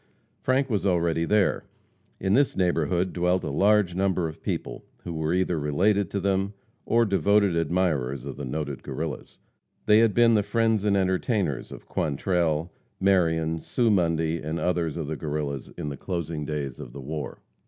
Frank was already there. In this neighborhood dwelt a large number of people who were either related to them or devoted admirers of the noted Guerrillas. They had been the friends and entertainers of Quantrell, Marion, Sue Mundy, and others of the Guerrillas in the closing days of the war.